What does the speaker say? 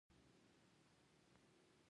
هغه هغې ته د ښایسته عطر ګلان ډالۍ هم کړل.